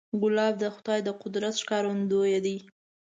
ګلاب د خدای د قدرت ښکارندوی دی.